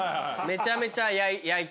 めちゃめちゃ焼い。